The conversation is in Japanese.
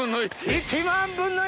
１万分の１